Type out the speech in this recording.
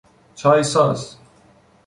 چای ساز